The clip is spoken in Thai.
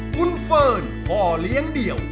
คุณเฟิร์นพ่อเลี้ยงเดี่ยว